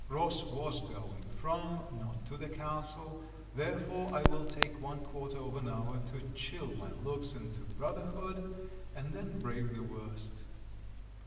Ross was going from, not to the castle, therefore I will take one quarter of an hour to chill my looks into brotherhood, and then brave the worst.